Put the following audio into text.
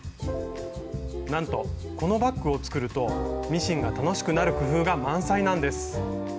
なんとこのバッグを作るとミシンが楽しくなる工夫が満載なんです！